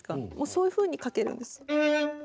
そういうふうにかけるんです。